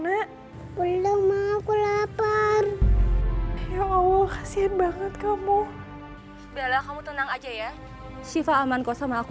nak belum aku lapar ya allah kasihan banget kamu bella kamu tenang aja ya siva aman kok sama aku